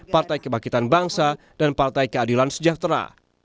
partai kebangkitan bangsa dan partai keadilan sejahtera